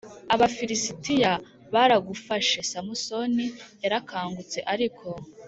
Abafilisitiya baragufashe Samusoni yarakangutse ariko